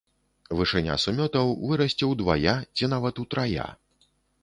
Вышыня сумётаў вырасце ўдвая ці нават утрая.